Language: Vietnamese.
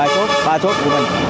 ba shop của mình